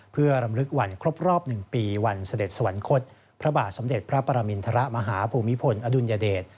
เพื่อรำลึกวันครบรอบ๑ปีวันเสด็จสวรรคตพระบาทสมเด็จพระปรมินทรมาฮภูมิพลอดุลยเดช